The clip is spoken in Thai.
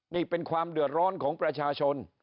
นี่เป็นความเดือดร้อนของประชาชน